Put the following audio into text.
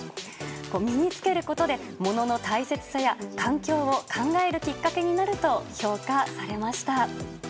身に着けることで物の大切さや環境を考えるきっかけになると評価されました。